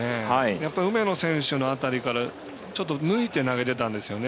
やっぱり梅野選手の辺りからちょっと抜いて投げてたんですよね。